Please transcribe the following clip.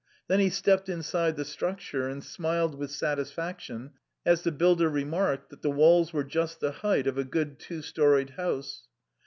Then he stepped inside the structure, and smiled with satisfaction as the builder remarked that the walls were just the height of a good two storeyed house.